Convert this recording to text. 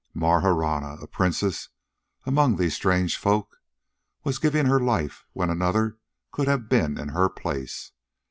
Marahna a princess among these strange folk was giving her life when another could have been in her place.